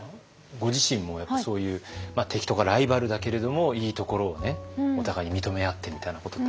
ご自身もやっぱりそういう敵とかライバルだけれどもいいところをねお互いに認め合ってみたいなことってありますか？